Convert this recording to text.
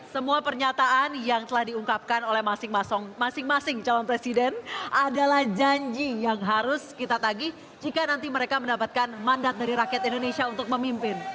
semua pernyataan yang telah diungkapkan oleh masing masing calon presiden adalah janji yang harus kita tagih jika nanti mereka mendapatkan mandat dari rakyat indonesia untuk memimpin